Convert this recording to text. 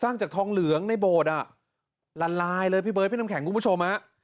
จากทองเหลืองในโบสถ์อ่ะละลายเลยพี่เบิร์ดพี่น้ำแข็งคุณผู้ชมฮะ